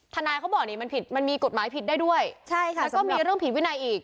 ธันายเขาบอกว่ามีกฏหมายผิดได้ด้วยแล้วมีเรื่องผิดวินายอีก